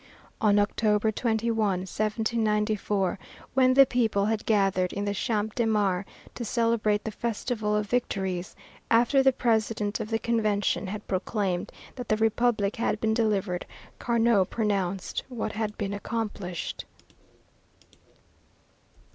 On October 21, 1794, when the people had gathered in the Champ de Mars to celebrate the Festival of Victories, after the President of the Convention had proclaimed that the Republic had been delivered, Carnot announced what had been accomplished.